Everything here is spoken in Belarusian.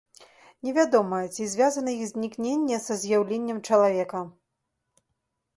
Не вядома, ці звязана іх знікненне са з'яўленнем чалавека.